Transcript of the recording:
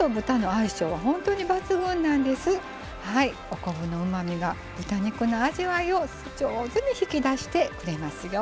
お昆布のうまみが豚肉の味わいを上手に引き出してくれますよ。